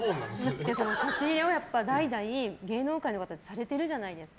差し入れを代々芸能界の方ってされてるじゃないですか。